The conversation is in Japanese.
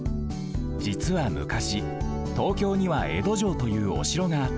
じつはむかし東京には江戸城というおしろがあった。